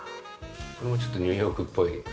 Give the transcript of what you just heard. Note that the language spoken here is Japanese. これもちょっとニューヨークっぽい。